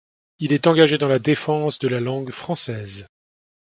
Il est engagé dans la défense de la langue française.